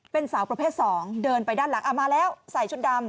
เป็นสาวประเภท๒เดินไปด้านหลังมาแล้วใส่ชุดดำ